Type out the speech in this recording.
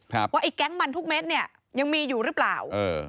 ว่าไอ้แก๊งมันทุกเม็ดเนี้ยยังมีอยู่หรือเปล่าเออ